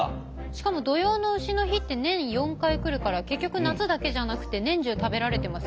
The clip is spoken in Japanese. しかも土用の丑の日って年４回来るから結局夏だけじゃなくて年中食べられてますよ。